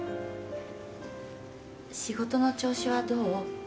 仕事の調子はどう？